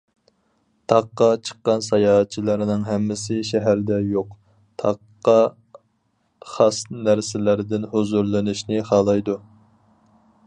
تاغقا چىققان ساياھەتچىلەرنىڭ ھەممىسى شەھەردە يوق، تاغقا خاس نەرسىلەردىن ھۇزۇرلىنىشنى خالايدۇ.